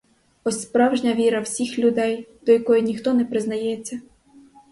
Ось справжня віра всіх людей, до якої ніхто не признається.